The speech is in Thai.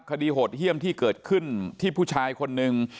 โหดเยี่ยมที่เกิดขึ้นที่ผู้ชายคนนึง